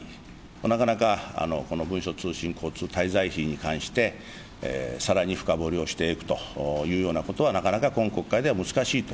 なかなかこの文書通信交通滞在費に対して、さらに深掘りをしていくというようなことはなかなか今国会では難しいと。